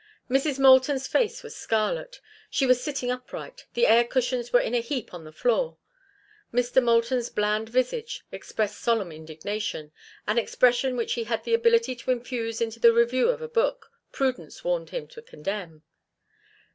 Mrs. Moulton's face was scarlet; she was sitting upright; the air cushions were in a heap on the floor. Mr. Moulton's bland visage expressed solemn indignation, an expression which he had the ability to infuse into the review of a book prudence warned him to condemn.